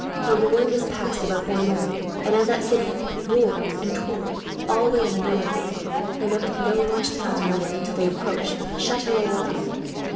The Loire was passed above Orleans, and as that city, Blois, and Tours all lay on the northern bank, they met with no large towns on their way, until they approached Chatellerault.